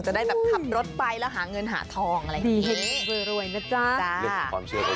จะได้แบบขับรถไปแล้วหาเงินหาทองอะไรแบบนี้